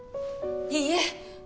いいえ